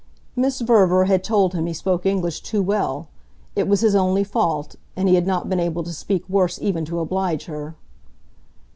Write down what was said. Miss Verver had told him he spoke English too well it was his only fault, and he had not been able to speak worse even to oblige her.